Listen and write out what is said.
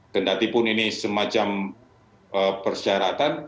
tentu ini semacam persyaratan